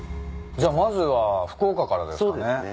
じゃあまずは福岡からですかね。